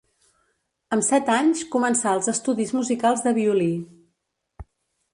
Amb set anys començà els estudis musicals de violí.